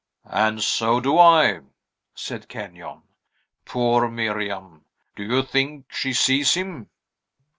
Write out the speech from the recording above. "And so do I," said Kenyon. "Poor Miriam! Do you think she sees him?"